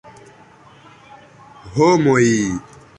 Homoj!